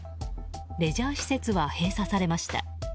レジャー施設は閉鎖されました。